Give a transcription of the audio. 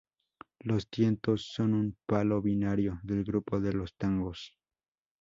Los tientos son un palo binario del grupo de los tangos.